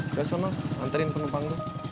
udah sonal anterin penumpang lo